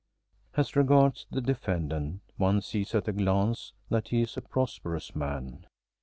As regards the defendant, one sees at a glance that he is a prosperous man.